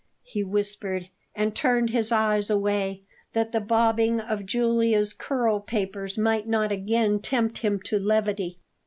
he whispered, and turned his eyes away, that the bobbing of Julia's curlpapers might not again tempt him to levity.